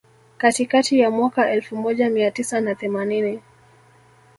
Katikati ya mwaka elfu moja mia tisa na themanini